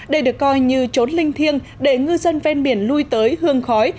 đây được coi như trốn linh thiêng để ngư dân ven biển lui tới hương khói